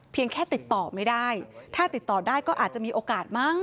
แค่ติดต่อไม่ได้ถ้าติดต่อได้ก็อาจจะมีโอกาสมั้ง